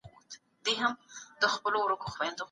که محتوا زاړه وي نو کاروونکي به ژر ناراض شي بې ځنډه.